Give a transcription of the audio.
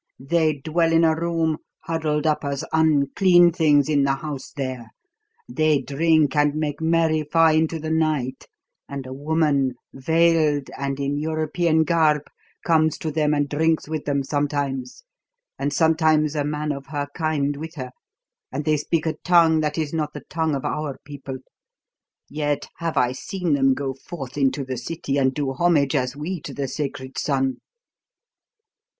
They dwell in a room huddled up as unclean things in the house there; they drink and make merry far into the night, and a woman veiled and in European garb comes to them and drinks with them sometimes and sometimes a man of her kind with her; and they speak a tongue that is not the tongue of our people; yet have I seen them go forth into the city and do homage as we to the sacred son."